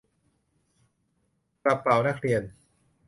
กระเป๋านักเรียน